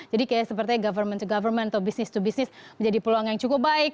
jadi kayak seperti government to government atau business to business menjadi peluang yang cukup baik